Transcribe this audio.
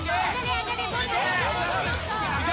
いけ！